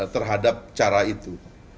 terhadap cara itu